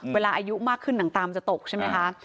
อายุมากขึ้นหนังตามจะตกใช่ไหมคะ